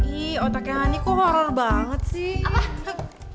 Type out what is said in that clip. ih otaknya hani kok horror banget sih